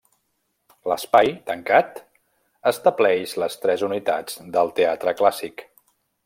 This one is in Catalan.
L'espai, tancat, estableix les tres unitats del teatre clàssic.